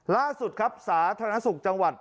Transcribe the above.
ล่าสุดครับสาธารณสุขจังหวัด